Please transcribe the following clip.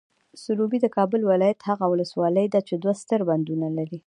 سروبي، د کابل ولایت هغه ولسوالۍ ده چې دوه ستر بندونه لري.